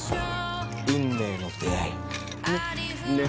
運命の出会い。ね？